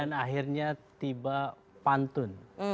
dan akhirnya tiba pantun